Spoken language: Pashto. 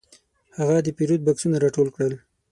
هغه د پیرود بکسونه راټول کړل.